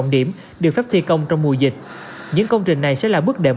nhu yếu phẩm với quy mô lớn